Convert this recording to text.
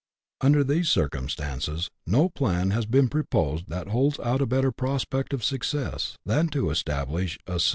Under these circumstances no plan has been proposed that holds out a better prospect of success than to establish a suf 32 BUSH LIFE IN AUSTRALIA.